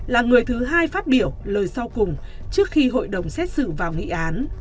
là người thứ hai phát biểu lời sau cùng trước khi hội đồng xét xử vào nghị án